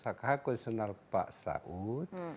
hak hak konstitusional pak saud